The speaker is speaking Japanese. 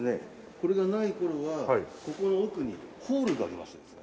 これがない頃はここの奥にホールがありましてですね。